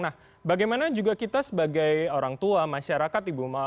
nah bagaimana juga kita sebagai orang tua masyarakat ibu